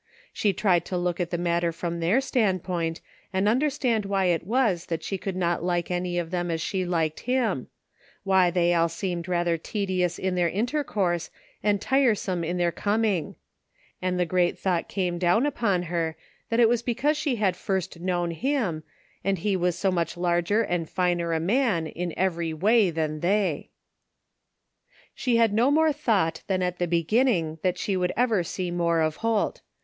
She tried to look at the matter from their standpoint and understand why it was that she could not like any of them as she liked him; why they all seemed father tedious in their intercourse and tiresome in their com ing; and the great thought came down upon her that it was because she had first known him, and he was so much larger and finer a man in every way than they. She had no more thought than at the beginning that she would ever see more of Holt.